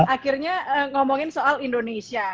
akhirnya ngomongin soal indonesia